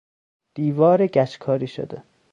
دیوار گچ کاری شده